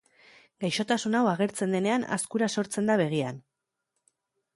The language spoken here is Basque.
Gaixotasun hau agertzen denean azkura sortzen da begian.